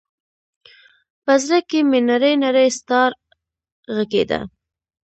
په زړه کې مــــــې نـــری نـــری ستار غـــــږیده